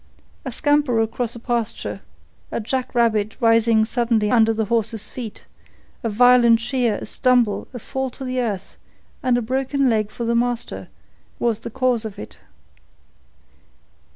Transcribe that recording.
A scamper across the pasture, a jackrabbit rising suddenly under the horse's feet, a violent sheer, a stumble, a fall to earth, and a broken leg for the master, was the cause of it.